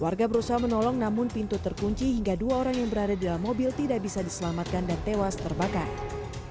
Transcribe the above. warga berusaha menolong namun pintu terkunci hingga dua orang yang berada di dalam mobil tidak bisa diselamatkan dan tewas terbakar